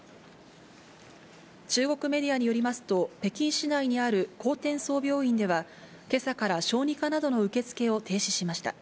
中国メディアによりますと、北京市内にある航天総病院では、けさから小児科などの受け付けを停止しました。